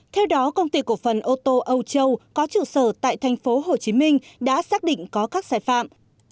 theo đó công ty cổ phần ô tô âu châu có trụ sở tại tp hcm đã xác định có các sai phạm